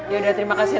yaudah terima kasih ya